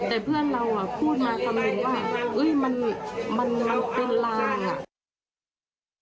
แต่เพื่อนเราพูดมาคำนึงว่ามันเป็นลางอ่ะ